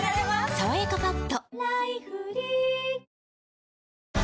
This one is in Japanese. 「さわやかパッド」